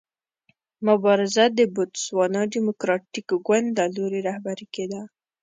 مبارزه د بوتسوانا ډیموکراټیک ګوند له لوري رهبري کېده.